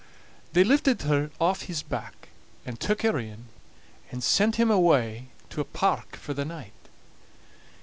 They lifted her aff his back, and took her in, and sent him away to a park for the night.